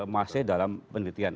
masih dalam penelitian